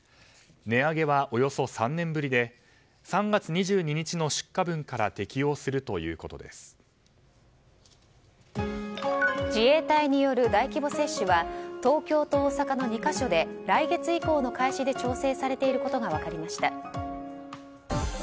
値上げはおよそ３年ぶりで３月２２日の出荷分から自衛隊による大規模接種は東京と大阪の２か所で来月以降の開始で調整されていることが分かりました。